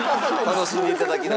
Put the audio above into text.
楽しんでいただきながら。